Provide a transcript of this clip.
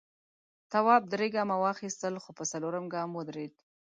تواب درې گامه واخیستل خو په څلورم گام ودرېد.